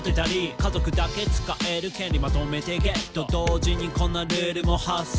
「家族だけ使える権利まとめてゲット」「同時にこんなルールも発生」